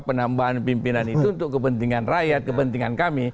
penambahan pimpinan itu untuk kepentingan rakyat kepentingan kami